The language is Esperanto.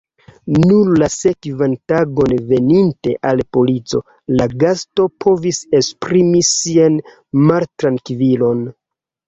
Nur la sekvan tagon, veninte al polico, la gasto povis esprimi sian maltrankvilon.